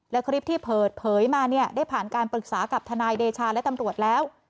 และคลิปที่เปิดเผยมาเนี่ยได้ผ่านการปรึกษากับทนายเดชาและตำรวจแล้ว